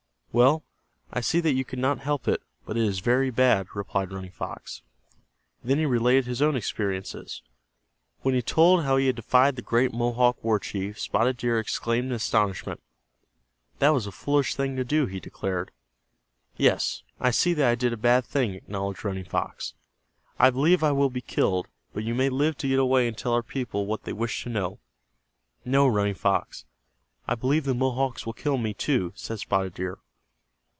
"Well, I see that you could not help it, but it is very bad," replied Running Fox. Then he related his own experiences. When he told how he had defied the great Mohawk war chief, Spotted Deer exclaimed in astonishment. "That was a foolish thing to do," he declared. "Yes, I see that I did a bad thing," acknowledged Running Fox. "I believe I will be killed, but you may live to get away and tell our people what they wish to know." "No, Running Fox, I believe the Mohawks will kill me, too," said Spotted Deer.